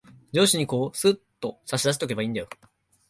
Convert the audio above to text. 上司にこう、すっと差し出しとけばいんだよ。